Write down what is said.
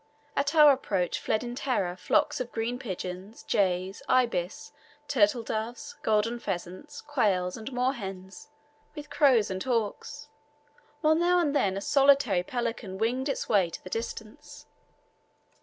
At our approach fled in terror flocks of green pigeons, jays, ibis, turtledoves, golden pheasants, quails and moorhens, with crows and hawks, while now and then a solitary pelican winged its way to the distance.